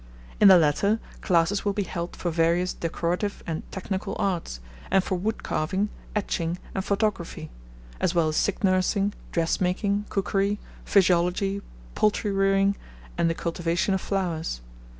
In the latter, classes will be held for various decorative and technical arts, and for wood carving, etching, and photography, as well as sick nursing, dressmaking, cookery, physiology, poultry rearing, and the cultivation of flowers.